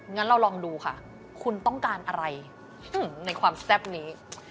งั้นเราลองดูค่ะคุณต้องการอะไรในความแซ่บนี้